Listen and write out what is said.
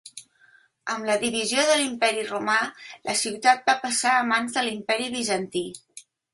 Amb la divisió de l'Imperi romà, la ciutat va passar a mans de l'Imperi bizantí.